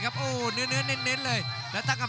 ขวางเอาไว้ครับโอ้ยเด้งเตียวคืนครับฝันด้วยศอกซ้าย